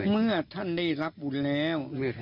เมื่อท่านได้รับบุญแล้ว